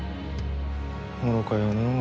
愚かよのう。